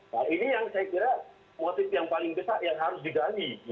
nah ini yang saya kira motif yang paling besar yang harus digali